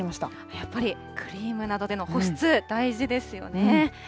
やっぱりクリームなどでの保湿、大事ですよね。